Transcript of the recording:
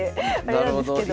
なるほど。